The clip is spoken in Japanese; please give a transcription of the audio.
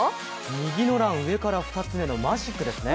右の欄、上から２つ目のマジックですね。